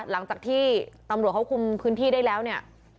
หลังจากที่ตำรวจเขาคุมพื้นที่ได้แล้วเนี่ย